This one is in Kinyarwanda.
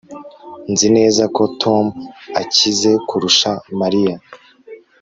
Nzi neza ko Tom akize kurusha Mariya